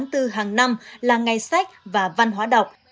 ngày năm tháng năm là ngày sách và văn hóa đọc